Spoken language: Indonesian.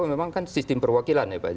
memang kan sistem perwakilan ya pak